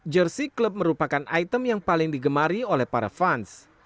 jersi klub merupakan item yang paling digemari oleh para fans